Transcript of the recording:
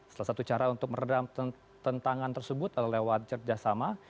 salah satu cara untuk meredam tentangan tersebut adalah lewat kerjasama